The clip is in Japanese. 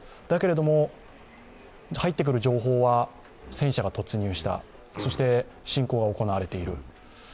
だけれども、入ってくる情報は戦車が突入した、そして侵攻が行われている。